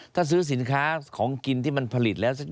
ถ้าซื้อสินค้าของกินที่มันผลิตแล้ว